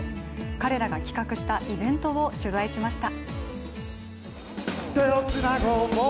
彼らが企画したイベントを取材しました。